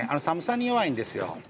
寒さに弱いんですよ。